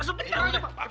sebentar aja pak